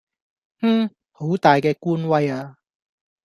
哼,好大嘅官威呀!